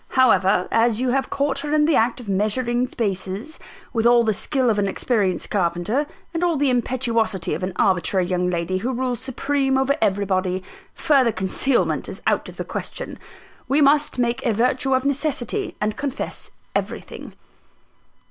However, as you have caught her in the act of measuring spaces, with all the skill of an experienced carpenter, and all the impetuosity of an arbitrary young lady who rules supreme over everybody, further concealment is out of the question. We must make a virtue of necessity, and confess everything."